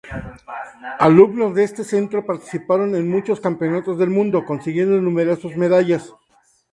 Alumnos de este centro participaron en muchos campeonatos del mundo, consiguiendo numerosas medallas.